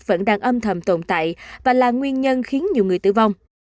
vẫn đang âm thầm tồn tại và là nguyên nhân khiến nhiều người tử vong